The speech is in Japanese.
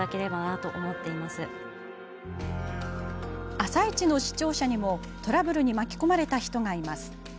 「あさイチ」の視聴者にもトラブルに巻き込まれた人がいます。